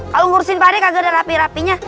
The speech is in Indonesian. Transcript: kalau ngurusin pade kagak ada rapi rapinya